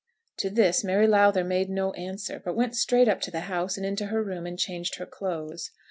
To this Mary Lowther made no answer, but went straight up to the house, and into her room, and changed her clothes.